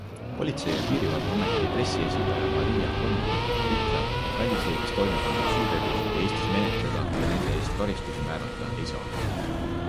Politsei- ja piirivalveameti pressiesindaja Maria Gonjak ütleb, et välisriigis toimepandud süütegusid Eestis menetleda ja nende eest karistusi määrata ei saa.